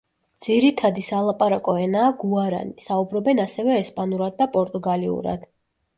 ძირითადი სალაპარაკო ენაა გუარანი, საუბრობენ ასევე ესპანურად და პორტუგალიურად.